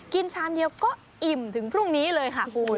ชามเดียวก็อิ่มถึงพรุ่งนี้เลยค่ะคุณ